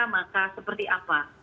maka seperti apa